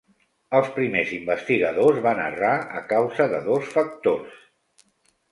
Els primers investigadors van errar a causa de dos factors.